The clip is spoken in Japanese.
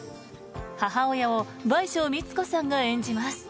母親を倍賞美津子さんが演じます。